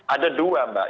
ada dua mbak